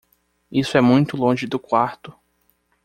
Isso é muito longe do quarto.